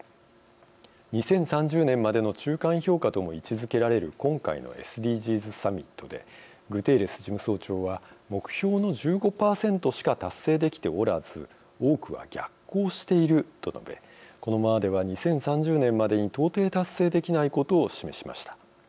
２０３０年までの中間評価とも位置づけられる今回のＳＤＧｓサミットでグテーレス事務総長は目標の１５％しか達成できておらず多くは逆行していると述べこのままでは２０３０年までに到底達成できないことを示しました。